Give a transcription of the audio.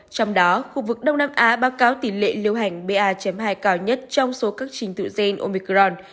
trong đó khu vực đông nam á báo cáo tỷ lệ lưu hành ba hai cao nhất trong số các trình tự gen omicron